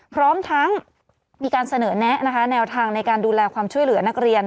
พร้อมทั้งมีการเสนอแนะนะคะแนวทางในการดูแลความช่วยเหลือนักเรียน